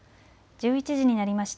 １１時になりました。